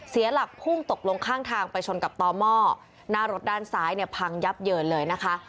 เสียหลักพุ่งตกลงข้างทางไปชนกับต่อหม้อหน้ารถด้านซ้ายเนี่ยพังยับเยินเลยนะคะ